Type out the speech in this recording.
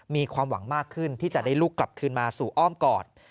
มีความหวังมากขึ้นที่จะได้ลูกกลับคืนมาสู่อ้อมกอด